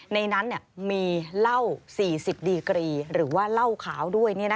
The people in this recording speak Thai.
ในนั้นมีเหล้า๔๐ดีกรีหรือว่าเหล้าขาวด้วย